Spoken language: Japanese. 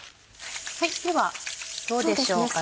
ではどうでしょうかね？